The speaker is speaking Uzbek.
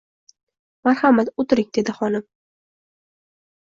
— Marhamat, o‘tiring, — dedi xonim.